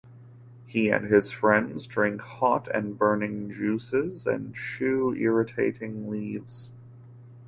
He and his friends drink hot and burning juices and chew irritating leaves.